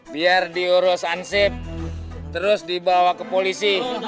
biar diurus ansip terus dibawa ke polisi